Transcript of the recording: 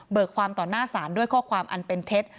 ความต่อหน้าศาลด้วยข้อความอันเป็นเท็จ